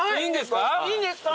いいんですか？